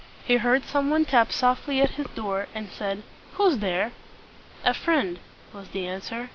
He heard some one tap softly at his door, and he said, "Who's there?" "A friend," was the answer.